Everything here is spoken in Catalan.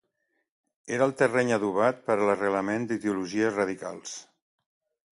Era el terreny adobat per a l'arrelament d'ideologies radicals.